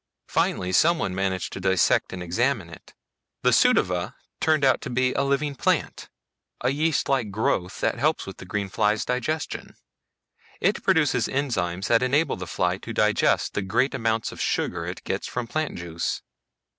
Finally someone managed to dissect and examine it. The pseudova turned out to be a living plant, a yeastlike growth that helps with the green fly's digestion. It produces enzymes that enable the fly to digest the great amounts of sugar it gets from plant juice."